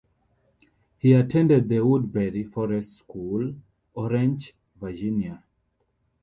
He attended the Woodberry Forest School, Orange, Virginia.